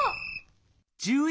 １１